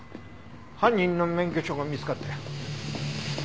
犯人の免許証が見つかったよ。